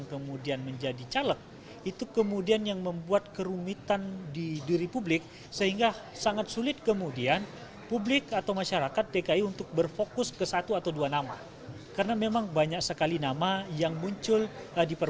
kemudian untuk menanggapi hasil riset dari bang yose ini